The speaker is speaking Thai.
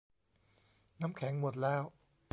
น้ำแข็งหมดแล้ว